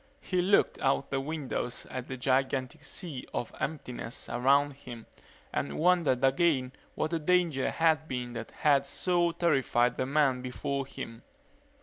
He looked out the windows at the gigantic sea of emptiness around him and wondered again what the danger had been that had so terrified the men before him.